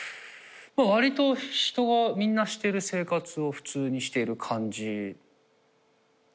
割とみんなしてる生活を普通にしている感じですけどね。